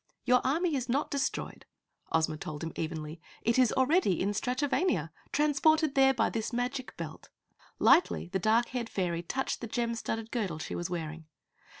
"Your army is not destroyed," Ozma told him evenly. "It already is in Stratovania, transported there by this magic belt." Lightly, the dark haired fairy touched the gem studded girdle she was wearing.